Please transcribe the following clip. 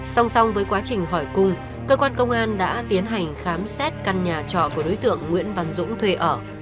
xong xong với quá trình hỏi cung cơ quan công an đã tiến hành khám xét căn nhà trò của đối tượng nguyễn văn dũng thuê ở